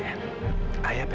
selamat tidur ya